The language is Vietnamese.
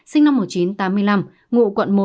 sinh năm một nghìn chín trăm tám mươi năm ngụ quận một